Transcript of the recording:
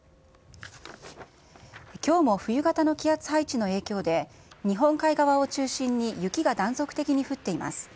きょうも冬型の気圧配置の影響で、日本海側を中心に雪が断続的に降っています。